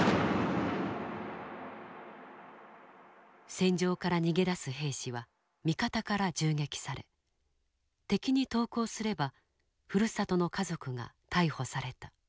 戦場から逃げ出す兵士は味方から銃撃され敵に投降すればふるさとの家族が逮捕された。